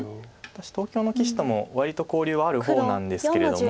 私東京の棋士とも割と交流はある方なんですけれども。